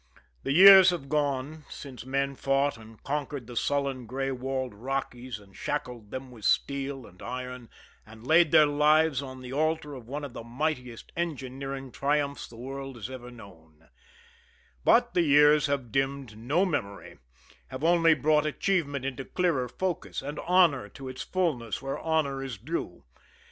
The years have gone since men fought and conquered the sullen gray walled Rockies and shackled them with steel and iron, and laid their lives on the altar of one of the mightiest engineering triumphs the world has ever known; but the years have dimmed no memory, have only brought achievement into clearer focus, and honor to its fullness where honor is due.